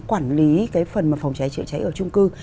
quản lý cái phần mà phòng cháy chạy cháy ở trung cư